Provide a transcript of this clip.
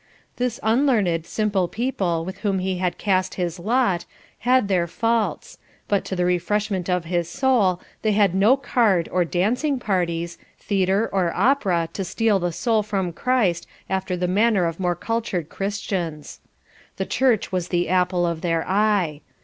This unlearned, simple people with whom he had cast his lot, had their faults, but to the refreshment of his soul, they had no card or dancing parties, theatre or opera to steal the soul from Christ after the manner of more cultured Christians. The church was the apple of their eye.